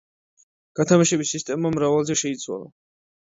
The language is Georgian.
გათამაშების სისტემა მრავალჯერ შეიცვალა.